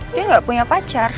dia gak punya pacar